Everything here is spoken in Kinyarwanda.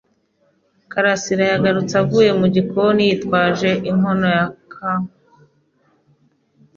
Karasirayagarutse avuye mu gikoni yitwaje inkono ya kawa.